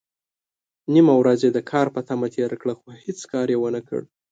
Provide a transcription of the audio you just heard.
نيمه ورځ يې د کار په تمه تېره کړه، خو هيڅ کار يې ونکړ.